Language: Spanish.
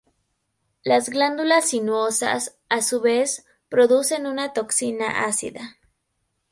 Las glándulas sinuosas, a su vez, producen una toxina ácida.